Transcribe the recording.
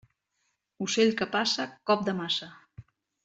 Ocell que passa, cop de maça.